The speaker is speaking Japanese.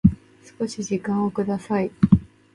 少し時間をください